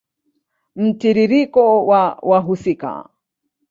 Mtiririko wa wahusika